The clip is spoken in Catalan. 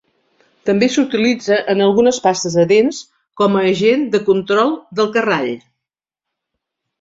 També s'utilitza en algunes pastes de dents com a agent de control del carrall.